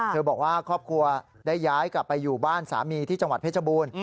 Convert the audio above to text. บอกว่าครอบครัวได้ย้ายกลับไปอยู่บ้านสามีที่จังหวัดเพชรบูรณ์